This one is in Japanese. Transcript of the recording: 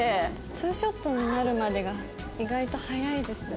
ツーショットになるまでが意外と早いですよね。